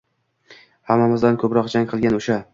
Hammamizdan ko’proq «jang» qilgan o’sha